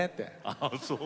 ああそう。